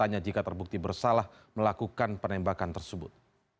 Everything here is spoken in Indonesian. hanya jika terbukti bersalah melakukan penembakan tersebut